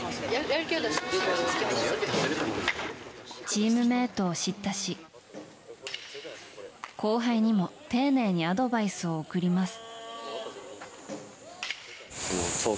チームメートを叱咤し後輩にも丁寧にアドバイスを送ります。